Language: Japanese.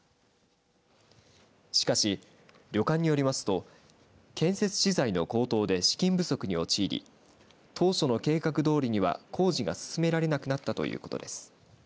しかし、旅館によりますと建設資材の高騰で資金不足に陥り当初の計画どおりには工事が進められなくなったということです。